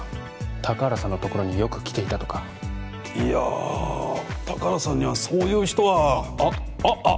高原さんのところによく来ていたとかいや高原さんにはそういう人はあっあっあっ